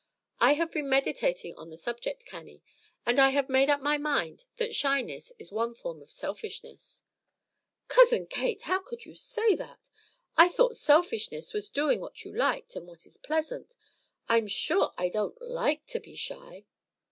I have been meditating on the subject, Cannie, and I have made up my mind that shyness is one form of selfishness." "Cousin Kate, how can you say that? I thought selfishness was doing what you liked and what is pleasant. I'm sure I don't like to be shy."